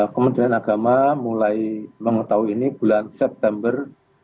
kementerian agama mulai mengetahui ini bulan september dua ribu dua puluh dua